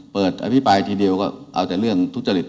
อภิปรายทีเดียวก็เอาแต่เรื่องทุจริต